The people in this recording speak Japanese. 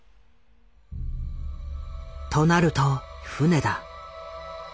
となると船だ。